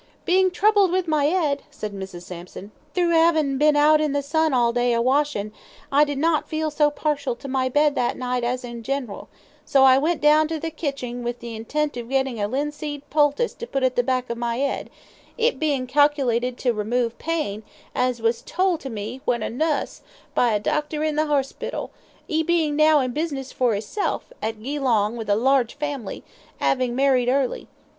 "Bein' troubled with my 'ead," said Mrs. Sampson, "thro' 'avin' been out in the sun all day a washin', I did not feel so partial to my bed that night as in general, so went down to the kitching with the intent of getting a linseed poultice to put at the back of my 'ead, it being calculated to remove pain, as was told to me, when a nuss, by a doctor in the horspital, 'e now bein' in business for hisself, at Geelong, with a large family, 'avin' married early.